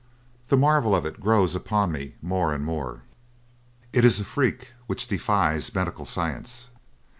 The marvel of it grows upon me more and more. It is a freak which defies medical science.